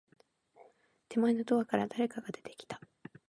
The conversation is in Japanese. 手前のドアから、誰かが出てきた。